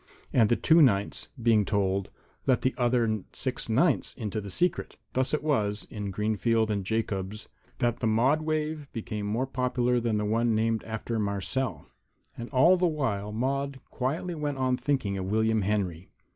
And the two ninths, being told, let the other six ninths into the secret. Thus it was, in Greenfield & Jacobs', that the Maude wave became more popular than the one named after Marcelle. And all the while Maude quietly went on thinking of William Henry.